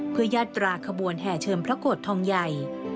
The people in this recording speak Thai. เพื่อยาตราขบวนแห่เชิมพระโกรธทองใหญ่